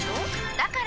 だから！